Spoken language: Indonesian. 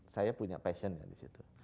saya punya passionnya disitu